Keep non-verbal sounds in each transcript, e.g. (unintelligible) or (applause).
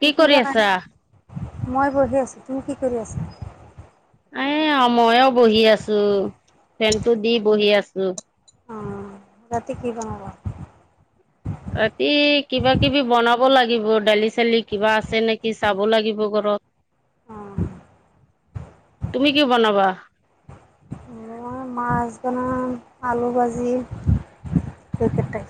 কি কৰি আছা? মই বহি আছো তুমি কি কৰি আছা? এ অ মইও বহি আছো, ফেনটো দি বহি আছো। অ ৰাতি কি বনাবা? ৰাতি কিবা কিবি বনাও। চাব লাগিব দালি চালি কিবা আছে নেকি চাব লাগিব ঘৰত। অ' তুমি কি বনাবা? মই মাছ বনাম আলু ভাজি। একেটাই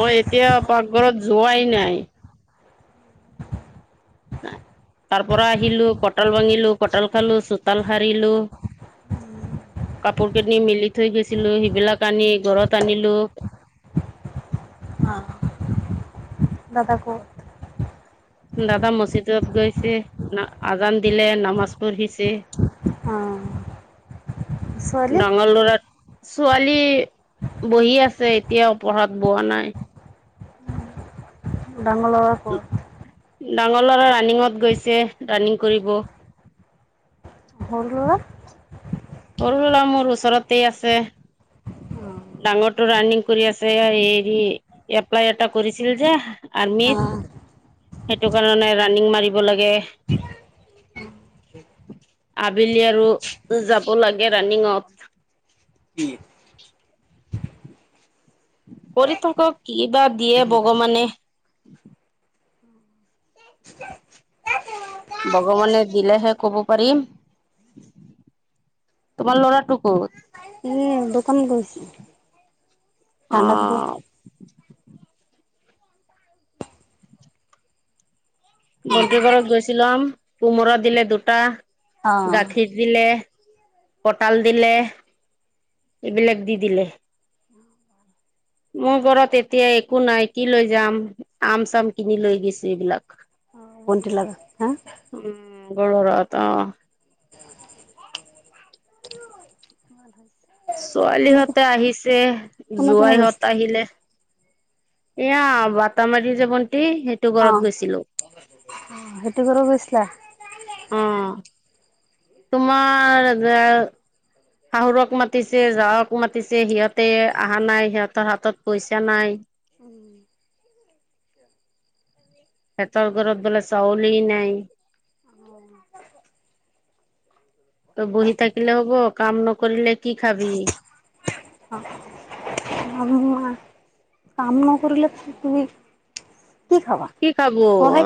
মই এতিয়া পাকঘৰত যোৱাই নাই। নাই তাৰ পৰা আহিলো কঁটাল ভাঙিলো কঁটাল খালো চোতাল সাৰিলো। কাপোৰ কিনি মেলি থৈ গৈছিলো সেইবিলাক আনি ঘৰত আনিলো। আহ দাদাক দাদা মছজিদত গৈছে ন আজান দিলে নামাজ পঢ়িছে। অ' ছোৱালী ডাঙৰ ল'ৰা ছোৱালী বহি আছে এতিয়াও পঢ়াত বোৱা নাই। বাংলৰাপুৰ ডাঙৰ ল'ৰা ৰানিঙত গৈছে ৰানিং কৰিব। সৰু ল'ৰা সৰু ল'ৰা মোৰ ওচৰতেই আছে। অ' ডাঙৰটো ৰানিং কৰি আছে হেৰি এপ্লাই এটা কৰিছিল যে আৰ্মিত। অ' সেইটো কাৰণে ৰাণিং মাৰিব লাগে। আবেলি আৰু যাব লাগে ৰাণিংত। কি? (unintelligible) কৰি থাকক কিবা দিয়ে ভগবানে। (unintelligible) ভগৱানে দিলেহে ক'ব পাৰিম। তোমাৰ ল'ৰাটো কত? এ দোকান গৈছে অ ঠাণ্ডা খাবৰ বণ্টি ঘৰত গৈছিলম, কোমৰা দিলে দুটা, অ' গাখীৰ দিলে। কতাল দিলে এইবিলাক দি দিলে। মোৰ ঘৰত এতিয়া একো নাই কি লৈ যাম আম চাম কিনি লৈ গৈছো এইবিলাক। কোনটি লাগা হা গৰ ৰাত অ' (inaudible) কোনে ছোৱালীহঁতে আহিছে কোনে কোনে গৈছিল? জোৱাইহঁত আহিলে। এয়া বাতামাৰী যাব নি তেই সেইটো অ' ঘৰত গৈছিলো। সেইটো ঘৰত গৈছিলা? অ' তোমাৰ যে শাহুৰক মাতিছে জাঁৰক মাতিছে, সিহঁতে অহা নাই সিহঁতৰ হাতত পইচা নাই। উম। সেহতৰ ঘৰত বোলে চাউলে নাই। অ' ত বহি থাকিল হ'ব কাম নকৰিলে কি খাবি। (unintelligible) কাম নকৰিলে তুমি কি খাবো অ সহায়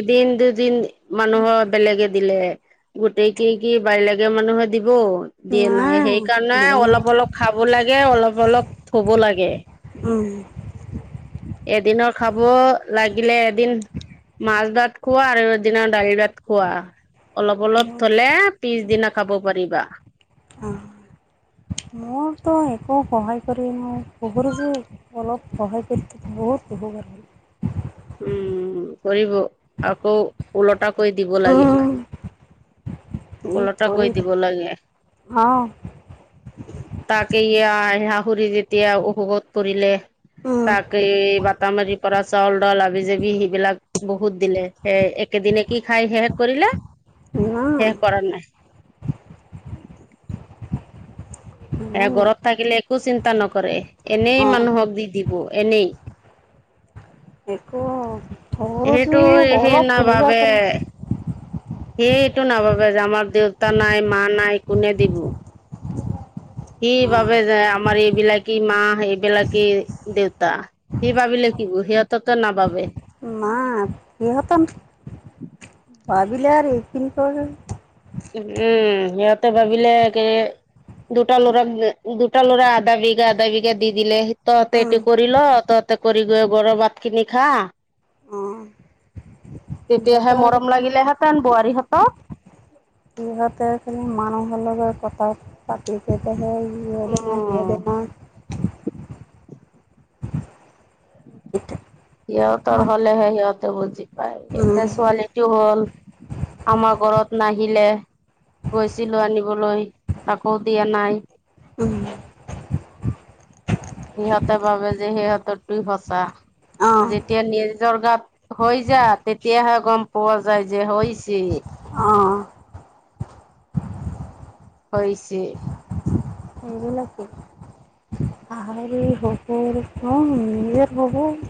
এদিন দুদিন মানুহৰ বেলেগে দিলে। গোটেই কি কি বাৰ লাগে মানুহে দিব। দিয়ে নাই সেইকাৰণে দিয়া নাই অলপ অলপ খাব লাগে অলপ অলপ থব লাগে। (inaudible) এদিনৰ খাব লাগিলে, এদিন মাছ ভাত খোৱা আৰু দিনা দাইল ভাত খোৱা। অলপ অলপ থলে পিছদিনা খাব পাৰিবা। অ' ক সহায় কৰি ন পহৰ যে অলপ সহায় কৰি থ বহুত উপহকাৰ হব। উম কৰিব আকৌ উওল টাকৈ দিব লাগে। উম, উম লটা কৰি কৰিলে দিব লাগে। অ' তাকে ই আহ শাঁহৰি যেতিয়া অসুখত পৰিলে উম তাক এই বাট মাৰি পৰা চাউল। লাবি জাবি সেইবিলাক বহুত দিলে সেই একেদিনে কি খাই শেষ কৰিলে। আহ শেষ কৰা নাই (unintelligible) সে গৰত থাকিলে একো চিন্তা নকৰে। এনেই অ' মানুহক দি দিব। এনে একো ধৰু যো সেই অলপ বহিবাৰ পৰা সেই এইটো নভাবে যে আমাৰ দেউতা নাই মা নাই কোনে দিবো। সি অ' বাবোবে যে আমাৰ এইবিলাকী মা এইবিলাকে দেউতা সি ভাবিলে থাকিব সিহঁতো নাবাবে। নাই পাবিলে আৰু এইখিন ক উম ইয় ভাবিলে দুটা লৰাৰাক দুটা লৰা আধা বিঘা আধা বিঘা দি দিলে তহতে উম, এইটো কৰি ল তহতে কৰি গৈ বৰ ভাত খিনি খা অ' তেতিয়াহে মৰম সিহঁতৰ লাগিলেহেঁতেন বোৱাৰীহঁতক সিহঁতে মানুহৰ লগত কথাাত পাতি কেটহে হোৱদ ন উম সিবদ ন (inaudible) সিহতৰ মই হ'লেহে সিহতে বুজি ছোৱালীটোও হ'ল, আমাৰ ঘৰত নাই। আহিলে, গৈছিলো আনিবলৈ। তাকো দিয়া নাই। সিহঁতে ভাবে যে সিহঁতৰ তুই সঁচা, অঁ যেতিয়া নিজৰ গাত হৈ যা তেতিয়াহে গম পোৱা যায় যে হৈ হৈছে। অ'। হৈছে। (inaudible) আহৰি হবৰক নিজৰ হবোৰ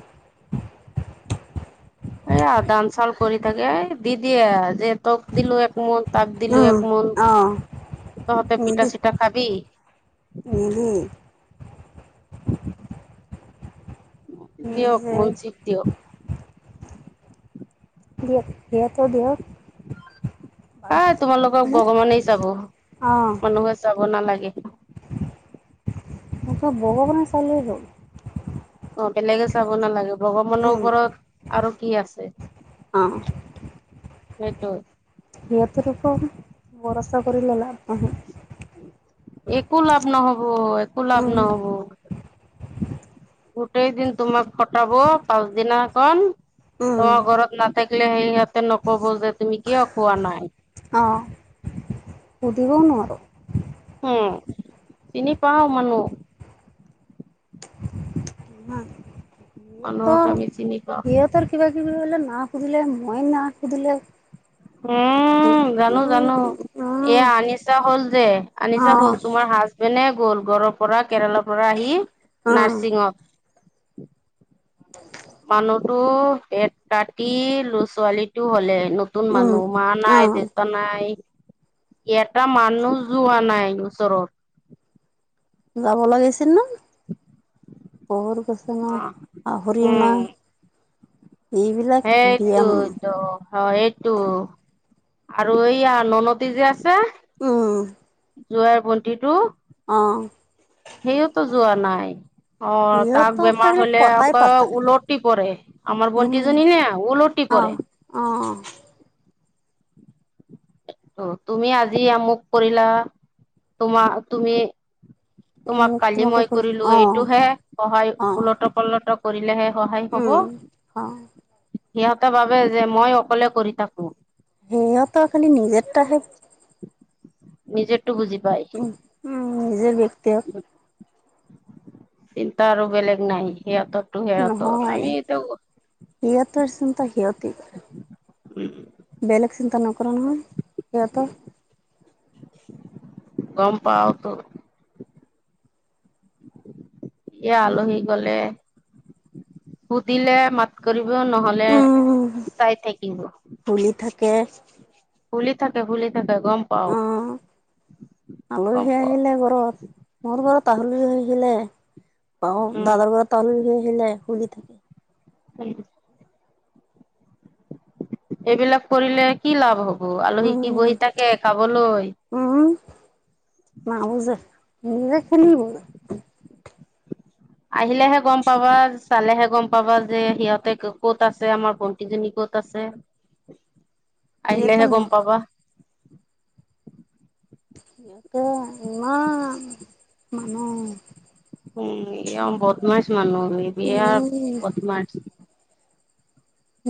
এইয়া দান চাল কৰি থাকে এই দিদিয়ে যে তোক দিলো একমত তাপ দিলো এক মন, অঁ তহঁতে মিলি পিঠা চিটা খাবি। (inaudible) দিয়ক নিজে মজিত দিয়ক। দিয় দিয়াতো দিয়ক। (inaudible) আহ তোমালোকক ভগৱানেই চাব, অঁ মানুহে চাব নালাগে। আ বগ ব চাই লৈ হব। অ' বেলেগে চাব নালাগে ভগৱানৰ ওপৰত আৰু কি আছে? অ'। সেইটো। সিহঁতেৰক ভৰচা কৰিৰিলে লাব তাহে। একো লাভ নহব, একো লাভ নহয় নহব। গোটেই দিন তোমাক ফটাব পাঁচ দনা কন তোমাৰ ঘৰত ন থাকিলে সেই সহঁতে নকব যে তুমি কিয় কোৱা নাই। অ পদব নোৱাৰো উম চিনি পাও মানুহ মানুহক সিহঁতৰ আমি চিনি পাওঁ। সিহঁতৰ কিবা কিবি হলে না সুধিলে মই নাক সুধিলে উম উম জানো জানো এয়া আনিছা হল যে অ আনিছা হল তোমাৰ হাজবেণ্ডে গ'ল গড়ৰ পৰা কেৰেলাৰ পৰা আহি অ নাৰ্ছিঙত মানুহতো এক কাটি লো ছোৱালীটো হলে। নতুন উম মানুহ মা অ নাই দেউতা নাই। এটা মানুহ যোৱা নাই ওচৰত। যাব লাগিছিল ন। (inaudible) পহৰ গচন আ হৰিওনা। সেইটো টো অ এইটো আৰু এইয়া ননতি যে আছে উম জোৱাৰাৰ বন্তি টো অহ সেইয়ওতো যোৱা নাই অ তাক সিহঁতক বেমাৰ লাগিলে হলে পতাই আকৌ পাতা উলটি পৰে আমাৰ উম বন্তিজনী নে উওলটি প অ অ অ (inaudible) অ তুমি আজি আমুক কৰিলা তোমাৰ তুমি তোমাক মোক কালি তোমাকে মই কৈ কৰিলো অ এইটোহে সহায় অ উওলট প্লত কৰিলেহে সহায় হব উম অ সিহঁতে বাবে যে মই অকলে কৰি থাকো সেয়া ত খালি নিজৰ তাহে নিজেতো বুজি পাই উম উম নিজৰ ব্যক্তিয় চিন্ত আৰু বেলেগ নাই সিহঁতৰতো সিহঁতৰ নহয় আমি এতিয়া সিহঁতৰ চিন্তা সিহঁতে কৰে উম বেলেগ চিন্তা নকৰে নহয় সহতো গম পাৱতো ই আলহী গলে সুধিলে মাত কৰিব নহলে চাই থাকিব খুলি থাকে ভুলি থাকে ভুলি পাও অ গম আলহী পাও আহিলে ঘৰত মোৰ ঘৰত আলহী আহিলে বাওঁ উম দাদাৰ গ ত হেলোই হুলিি থাকে (unintelligible) এইবিলাক কৰিলে কি লাভ হব আলহী কি উম বহি থাকে খাবলৈ ম বুজ নিজে খেলিব আহিলেহে গম পাবা চালেহে গম পাবা যে সিহঁতে ক'ত আছে আমাৰ ভন্টিজনী ক'ত আছে সিহঁতে আহিলেহে নে গম পাবা সতেয়া ই উ এ বদমাছ মানুহ উম মিবিয়াৰ বথমাচ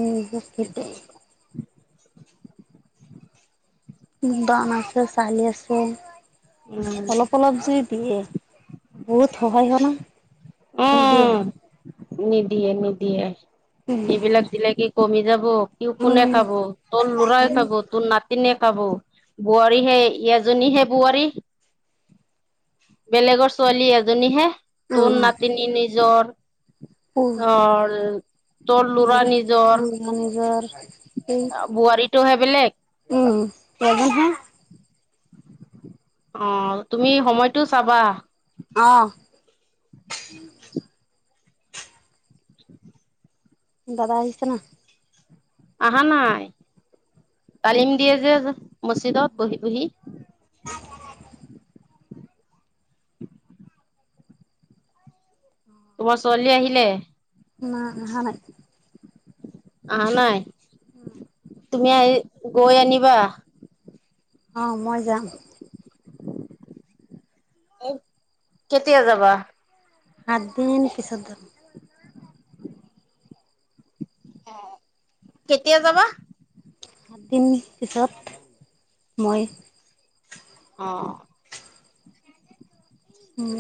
উম বৰ কেটেই দান আছে চলি আছো উম অলপ অলপ জুই দিয়ে বহুত সহায় হয়না মৈ উম দিম নিদিয়ে নিদিয়ে উম এইবিলাক দিলে কি কমি যাব কি কোনে খাব তোৰ লৰাই খাব তোৰ নাতিনে খাব বোৱাৰী হে এজনী হে বোৱাৰী বেলেগৰ ছোৱালী এজনীহে তোৰ নিজৰ নাতিনী নিজৰ অ তোৰ লৰা নিজৰ এই বোৱাৰীটোহে বেলেগ উম তাগহা অ তুমি সময়টো চাবা অ (inaudible) দাদা আহিছে না আহা নাই তালিম দিয়ে যে মজিদত বহি বুহি তোমাৰ ছোৱালী আহিলে মা অহা নাই আহা নাই উম তুমি আহি গৈ আনিবা অহ মই যাম কেতিয়া যাবা সাতদিন পিছত যাম (inaudible) কেতিয়া যাবা সাতদিন পিছত মই অ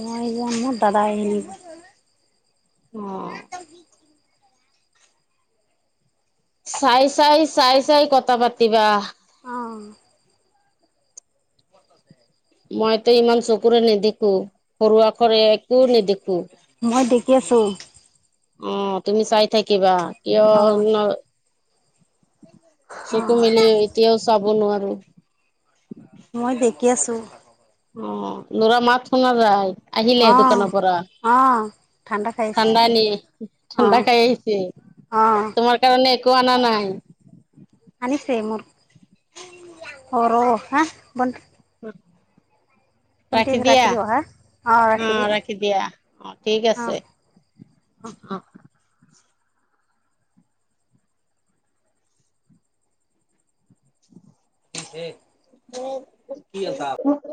মই যাম মোৰ দাদাই (unintelligible) অ। চাই চাই চাই চাই কথা পাতিবা। অ। মইতো ইমান চকুৰে নেদেখো সৰু আখৰে একো নেদেখো। কি আছো? অ তুমি চাই থাকিবা কিয় অ ন অ চকু মেলি এতিয়াও চাব নোৱাৰো। মই দেখি আছো। অ লৰা মাত শুনা যায় আহিলে অ দোকানৰ পৰা? অ ঠাণ্ডা খাই আছে ঠাণ্ডা নি অ ঠাণ্ডা খাই আহিছে। অ তোমাৰ কাৰণে একো অনা নাই? আনিছে মোৰ অ ৰ ৰ হা বন (unintelligible) ৰাখি দিয়া, অ ৰাখি দিয়া, অ ঠিক আছে। অ। (inaudible) হে (unintelligible)